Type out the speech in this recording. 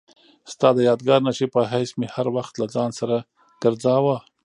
ستا د یادګار نښې په حیث مې هر وخت له ځان سره ګرځاوه.